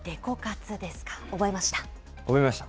覚えました？